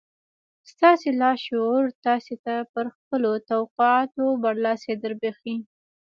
ستاسې لاشعور تاسې ته پر خپلو توقعاتو برلاسي دربښي